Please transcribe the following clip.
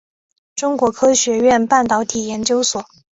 中国科学院半导体研究所。